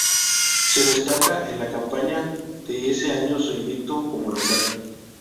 Se destaca en la campaña de ese año su invicto como local.